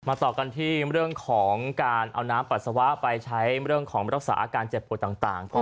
ต่อกันที่เรื่องของการเอาน้ำปัสสาวะไปใช้เรื่องของรักษาอาการเจ็บป่วยต่าง